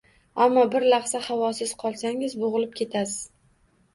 Ammo bir lahza havosiz qolsangiz, bo’g’ilib ketasiz.